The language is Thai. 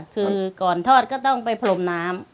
คือก่อนทอดก็ต้องไปพรมน้ำ